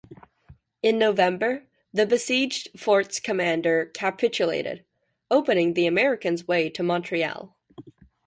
In November, the besieged fort's commander capitulated, opening the Americans' way to Montreal.